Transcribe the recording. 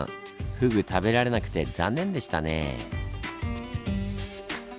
フグ食べられなくて残念でしたねぇ。